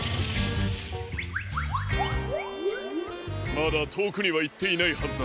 まだとおくにはいっていないはずだ。